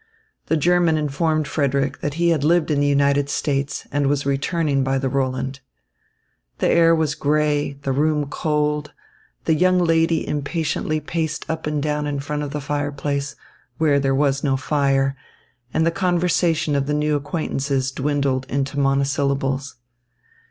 The German informed Frederick that he had lived in the United States and was returning by the Roland. The air was grey, the room cold, the young lady impatiently paced up and down in front of the fireplace, where there was no fire, and the conversation of the new acquaintances dwindled into monosyllables.